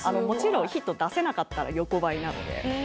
もちろんヒット出せなかったら横ばいなので。